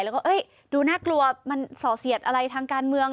แล้วก็ดูน่ากลัวมันส่อเสียดอะไรทางการเมือง